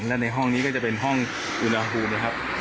และในห้องนี้ก็จะเป็นห้องอุณหภูมินะครับ